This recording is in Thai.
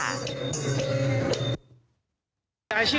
อารมณ์ดีอารมณ์ดี